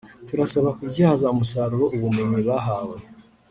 turabasaba kubyaza umusaruro ubumenyi bahawe